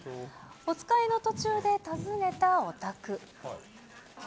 おつかいの途中で訪ねたお宅。